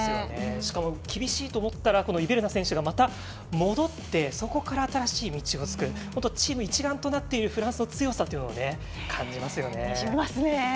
しかも厳しいと思ったらイベルナ選手が戻って、そこから新しい道を作る本当にチーム一丸となっているフランスの強さを感じますよね。